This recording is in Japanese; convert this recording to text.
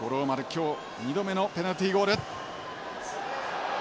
今日２度目のペナルティーゴール。